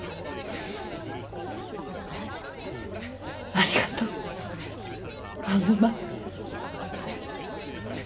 ありがとう青沼。